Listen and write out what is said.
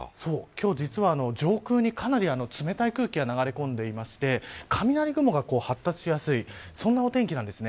今日は実は、上空にかなり冷たい空気が流れ込んでいて雷雲が発達しやすいそんな、お天気なんです。